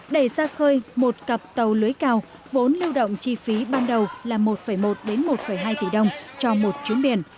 để ra khơi một cặp tàu lưới cao vốn lưu động chi phí ban đầu là một một đến một hai tỷ đồng cho một chiến biển